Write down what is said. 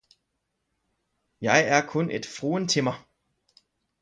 Jeg er kun et fruentimmer!